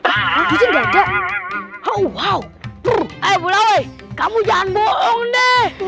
haa dia jajak wow wow eh belah woi kamu jangan bohong deh